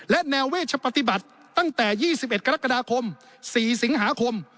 และแนวเวชปฏิบัติตั้งแต่๒๑กรกฎาคม๔สิงหาคม